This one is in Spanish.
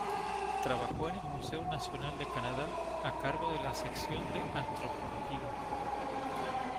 Trabajó en el Museo Nacional de Canadá, a cargo de la sección de antropología.